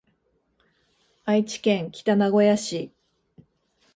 愛知県北名古屋市